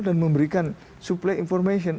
dan memberikan suplai information